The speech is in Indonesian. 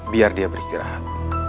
biar dia beristirahat